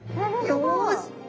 よし！